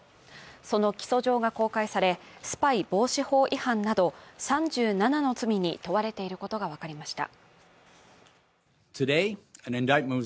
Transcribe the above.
その起訴状が公開され、スパイ防止法違反など３７の罪に問われていることが分かりました。